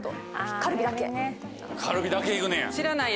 カルビだけ行くねや。